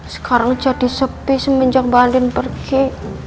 sekarang jadi sepi semenjak mbak aldin pergi